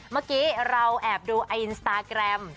เมื่อกี้เราแอบดูไออินสตาแกรม